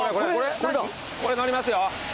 これ乗りますよ。